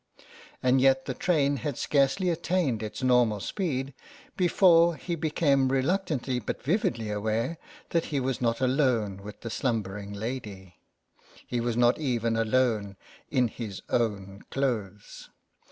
And yet the train had scarcely attained its normal speed before he became reluctantly but vividly aware that he was not alone with the slumbering lady ; he was not even alone in his own clothes.